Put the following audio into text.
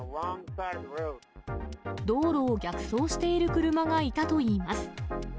道路を逆走している車がいたといいます。